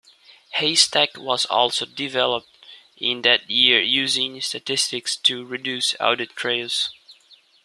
Haystack was also developed in that year using statistics to reduce audit trails.